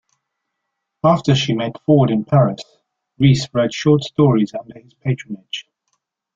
After she met Ford in Paris, Rhys wrote short stories under his patronage.